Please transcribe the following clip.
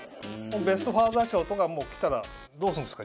ベスト・ファーザー賞とか来たらどうするんですか？